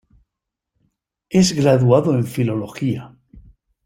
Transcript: Es graduado en Filología.